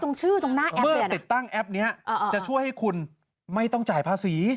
เมื่อติดตั้งแอปนี้จะช่วยให้คุณไม่ต้องจ่ายภาษี